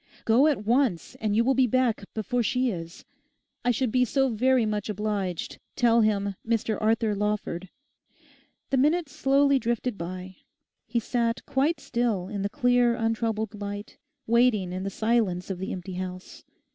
Go at once, and you will be back before she is. I should be so very much obliged, tell him. "Mr Arthur Lawford."' The minutes slowly drifted by. He sat quite still in the clear untroubled light, waiting in the silence of the empty house.